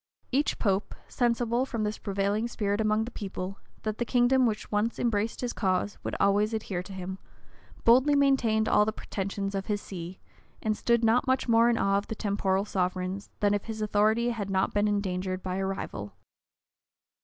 [*] Each pope, sensible, from this prevailing spirit among the people, that the kingdom which once embraced his cause would always adhere to him, boldly maintained all the pretensions of his see, and stood not much more in awe of the temporal sovereigns, than if his authority had not been endangered by a rival.